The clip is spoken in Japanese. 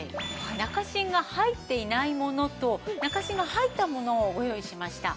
中芯が入っていないものと中芯が入ったものをご用意しました。